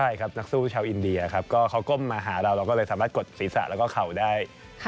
ใช่ครับนักสู้ชาวอินเดียครับก็เขาก้มมาหาเราเราก็เลยสามารถกดศีรษะแล้วก็เข่าได้